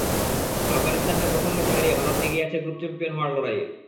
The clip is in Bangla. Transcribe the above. আফগানিস্তানকে প্রথম ম্যাচে হারিয়ে ভারত এগিয়ে আছে গ্রুপ চ্যাম্পিয়ন হওয়ার লড়াইয়ে।